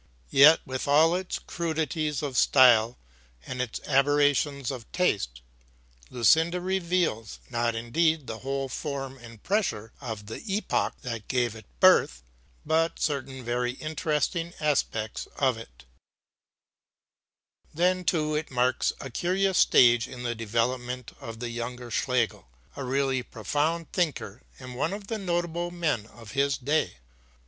Yet, with all its crudities of style and its aberrations of taste, Lucinda reveals, not indeed the whole form and pressure of the epoch that gave it birth, but certain very interesting aspects of it. [Illustration: #FRIEDRICH SCHLEGEL# E. HADER] Then, too, it marks a curious stage in the development of the younger Schlegel, a really profound thinker and one of the notable men of his day.